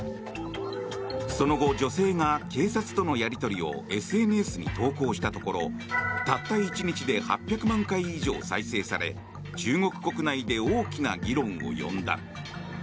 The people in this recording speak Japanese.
その後、女性が警察とのやり取りをＳＮＳに投稿したところたった１日で８００万回以上再生され中国国内で大きな議論を呼んだ。